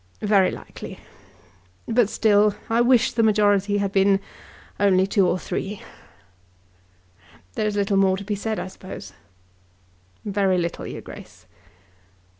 "Very likely. But still, I wish the majority had only been two or three. There is little more to be said, I suppose." "Very little, your Grace."